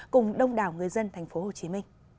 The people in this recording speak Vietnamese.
cùng đông đảo người dân tp hcm